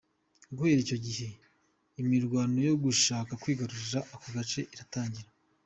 Guhera icyo gihe imirwano yo gushaka kwigarurira ako gace iratangira.